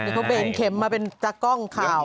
เหอเขาเบนเข็มมาเป็นจักรกล่องขาว